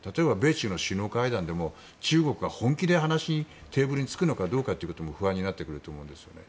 中の首脳会談でも中国が本気で話し合いのテーブルに着くのかどうかも不安になってくると思うんですね。